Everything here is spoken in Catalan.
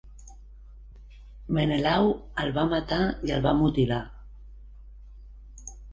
Menelau el va matar i el va mutilar.